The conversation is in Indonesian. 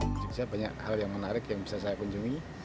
di jogja banyak hal yang menarik yang bisa saya kunjungi